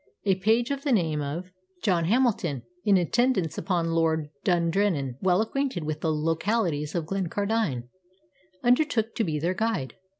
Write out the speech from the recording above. A page of the name of John Hamilton, in attendance upon Lord Dundrennan, well acquainted with the localities of Glencardine, undertook to be their guide.